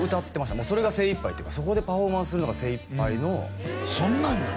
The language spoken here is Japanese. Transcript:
もうそれが精いっぱいというかそこでパフォーマンスするのが精いっぱいのそんなんなの？